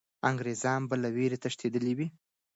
انګریزان به له ویرې تښتېدلي وي.